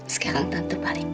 sekarang tante balik